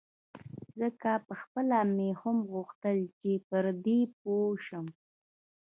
ځکه پخپله مې هم غوښتل چې پر دې پوی شم.